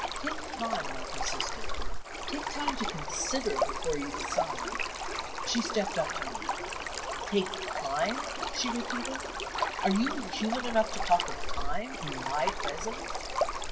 "Take time," I persisted "take time to consider before you decide." She stepped up to me. "Take time?" she repeated. "Are you inhuman enough to talk of time, in my presence?"